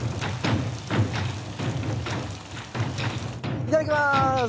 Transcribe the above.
いただきます。